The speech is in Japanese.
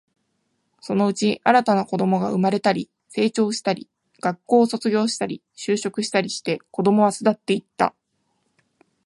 そのうち、新たな子供が生まれたり、成長したり、学校を卒業したり、就職したりして、子供は巣立っていった